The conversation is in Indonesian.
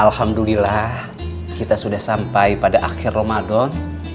alhamdulillah kita sudah sampai pada akhir ramadan